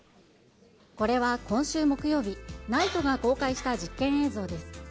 これは今週木曜日、ＮＩＴＥが公開した実験映像です。